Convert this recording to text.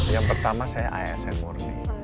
yang pertama saya asn murni